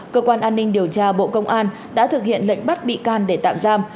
cơ quan an ninh điều tra bộ công an đã thực hiện lệnh bắt bị can để tạm giam